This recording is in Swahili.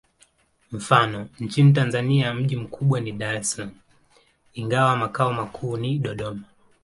Mfano: nchini Tanzania mji mkubwa ni Dar es Salaam, ingawa makao makuu ni Dodoma.